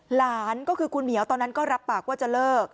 หลานก็คือคุณเหมียวตอนนั้นก็รับปากว่าจะเลิก